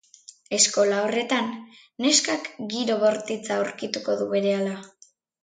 Eskola horretan, neskak giro bortitza aurkituko du berehala.